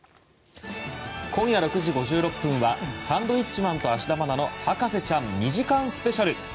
今夜６時５６分は「サンドウィッチマン＆芦田愛菜の博士ちゃん」２時間スペシャル。